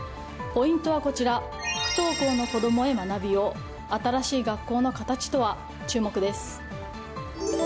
ポイントはこちら不登校の子供へ学びを新しい学校の形とは。